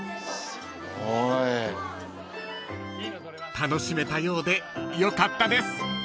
［楽しめたようでよかったです］